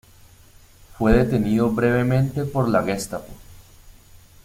Fue detenido brevemente por la Gestapo.